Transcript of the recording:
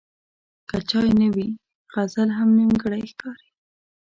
که چای نه وي، غزل هم نیمګړی ښکاري.